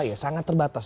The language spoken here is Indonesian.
ya sangat terbatas